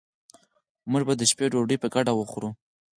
موږ به د شپې ډوډي په ګډه وخورو